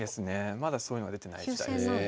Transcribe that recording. まだそういうのは出てない時代ですね。